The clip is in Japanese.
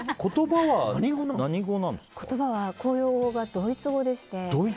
言葉は公用語がドイツ語でして。